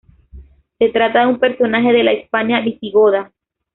Se trata de un personaje de la Hispania visigoda.